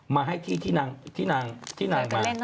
มาให้ที่นางที่นางมา